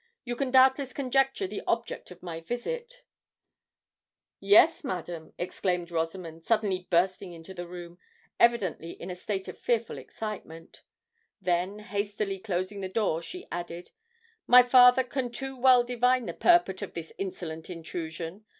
You can doubtless conjecture the object of my visit——" "Yes, madam," exclaimed Rosamond, suddenly bursting into the room, evidently in a state of fearful excitement: then, hastily closing the door, she added, "My father can too well divine the purport of this insolent intrusion.